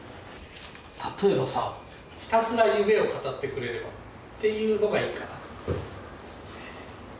例えばさひたすら夢を語ってくれればっていうのがいいかな？